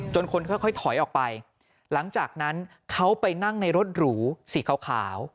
คนค่อยถอยออกไปหลังจากนั้นเขาไปนั่งในรถหรูสีขาว